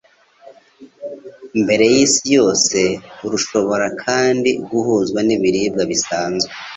Mbere y'Isi Yose, rushobora kandi guhuzwa n’ibiribwa bisanzwe